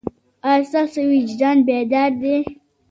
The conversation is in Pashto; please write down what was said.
ایا ستاسو وجدان بیدار دی؟